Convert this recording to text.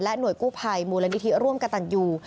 และหน่วยกู้ภัยมูลนิธีร่วมกระต่างยู